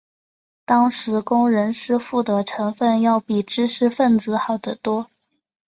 当时工人师傅的成分要比知识分子好得多。